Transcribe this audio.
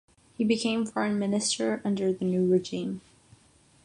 He became foreign minister under the new regime.